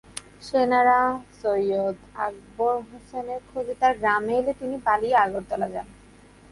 সেনারা সৈয়দ আকবর হোসেনের খোঁজে তাঁর গ্রামে এলে তিনি পালিয়ে আগরতলা যান।